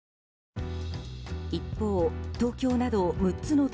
一方、東京など６つの都